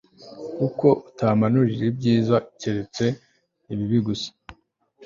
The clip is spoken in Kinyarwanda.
kuko atampanurira ibyiza keretse ibibi gusa